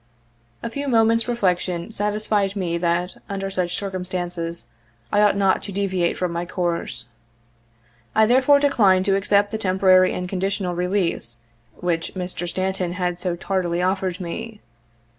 A few moments reflec tion satisfied me that, under such circumstances, I ought not to deviate from my course. I therefore declined to accept the temporary and conditional release which Mr. Stanton had so tardily offered me.